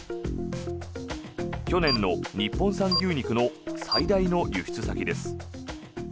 去年の日本産牛肉の最大の輸出先です。